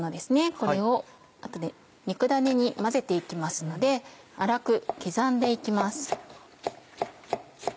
これを後で肉ダネに混ぜて行きますので粗く刻んで行きます。